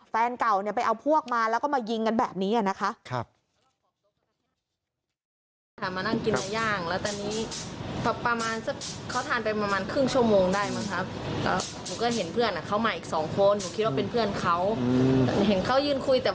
แฟนเก่าไปเอาพวกมาแล้วก็มายิงกันแบบนี้นะคะ